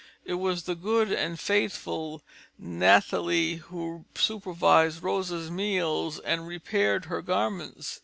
It was the good and faithful Nathalie who supervised Rosa's meals and repaired her garments.